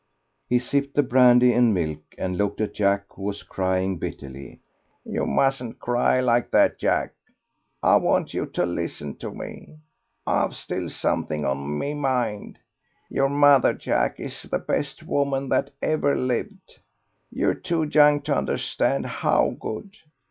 He sipped the brandy and milk and looked at Jack, who was crying bitterly. "You mustn't cry like that, Jack; I want you to listen to me. I've still something on my mind. Your mother, Jack, is the best woman that ever lived. You're too young to understand how good.